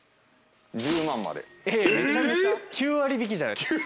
９割引きじゃないですか。